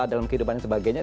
dalam kehidupan dan sebagainya